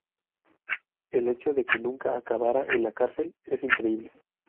El hecho de que nunca acabara en la cárcel es increíble".